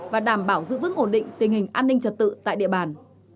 và đảm bảo giữ vững ổn định tình hình an ninh trật tự tại địa bàn